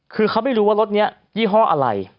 คือเขาไม่รู้ว่ารถนี้ยี่ห้ออะไร